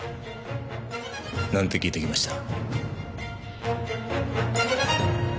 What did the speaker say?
なんて訊いてきました？